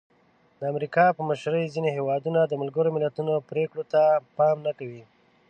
د امریکا په مشرۍ ځینې هېوادونه د ملګرو ملتونو پرېکړو ته پام نه کوي.